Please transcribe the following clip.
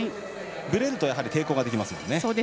ぶれると抵抗ができますもんね。